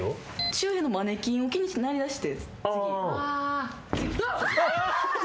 周辺のマネキンを気になりだして。